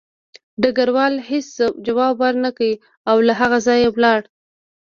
ډګروال هېڅ ځواب ورنکړ او له هغه ځایه لاړ